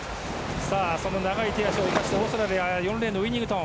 その長い手足を生かしているオーストラリアの４レーンのウィニングトン